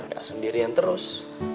gak sendirian terus